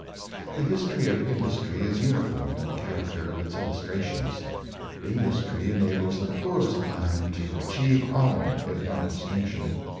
The history of industry is uniform in the Ciiaracter of its illustrations. Industry enables the poorest man to achieve honor, if not distinction.